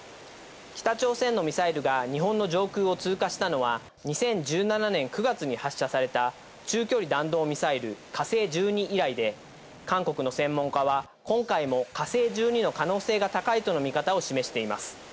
北朝鮮のミサイルが日本の上空を通過したのは２０１７年９月に発射された中距離弾道ミサイル「火星１２」以来で、韓国の専門家は今回も「火星１２」の可能性が高いとの見方を示しています。